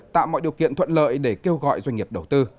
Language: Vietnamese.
tạo mọi điều kiện thuận lợi để kêu gọi doanh nghiệp đầu tư